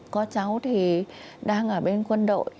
có cháu thì đang ở bên quân đội